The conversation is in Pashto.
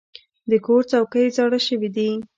د کور څوکۍ زاړه شوي دي.